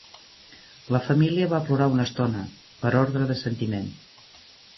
La familia va plorar una estona per ordre de sentiment